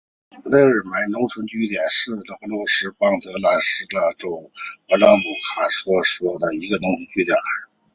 霍尔梅奇农村居民点是俄罗斯联邦布良斯克州苏泽姆卡区所属的一个农村居民点。